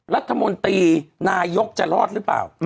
รัฐมนตรีนายกจะรอดหรือเปล่า